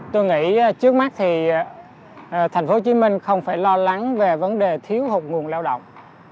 tôi nghĩ trước mắt thì tp hcm không phải lo lắng về vấn đề thiếu hụt nguồn lao động